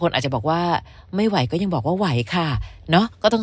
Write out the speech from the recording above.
อาจจะบอกว่าไม่ไหวก็ยังบอกว่าไหวค่ะเนอะก็ต้อง